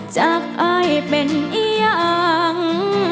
จากไอ้เป็นอย่าง